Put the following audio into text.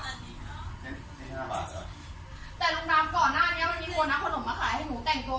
ห้าบาทอะแต่ลุงน้ำก่อนหน้านี้มันมีโอน๊ะขนมมาขายให้หนูแต่งโก้